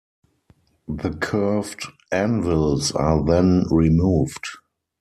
The curved anvils are then removed.